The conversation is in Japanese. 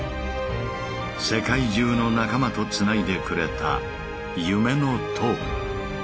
世界中の仲間とつないでくれた夢の塔。